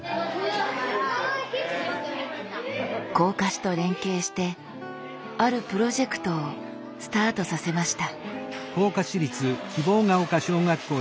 甲賀市と連携してあるプロジェクトをスタートさせました。